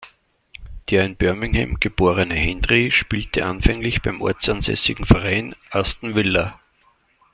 Der in Birmingham geborene Hendrie spielte anfänglich beim ortsansässigen Verein Aston Villa.